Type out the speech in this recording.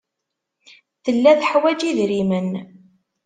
Tella teḥwaj idrimen.